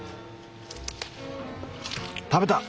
食べた！